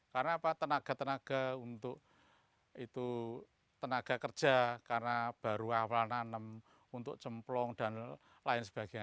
karena tenaga tenaga untuk tenaga kerja karena baru awal nanam untuk jemplong dan lain sebagainya